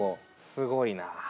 すごいな。